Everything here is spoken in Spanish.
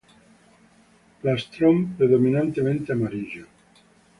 Plastrón predominantemente amarillo.